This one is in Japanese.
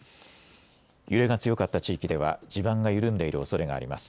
揺れが強かった地域では地盤が緩んでいるおそれがあります。